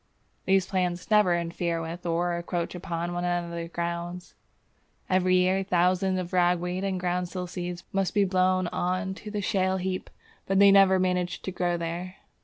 These plants never interfere with or encroach upon one another's grounds. Every year thousands of ragweed and groundsel seeds must be blown on to the shale heap, but they never manage to grow there.